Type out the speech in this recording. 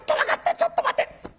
ちょっと待て！